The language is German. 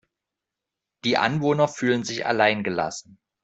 Die Anwohner fühlen sich allein gelassen.